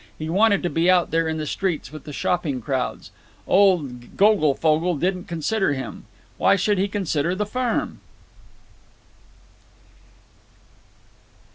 He wanted to be out there in the streets with the shopping crowds. Old Goglefogle didn't consider him; why should he consider the firm?